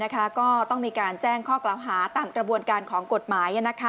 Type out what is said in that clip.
ก็ต้องมีการแจ้งข้อกล่าวหาตามกระบวนการของกฎหมาย